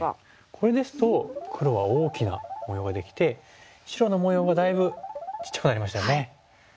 これですと黒は大きな模様ができて白の模様がだいぶちっちゃくなりましたよね。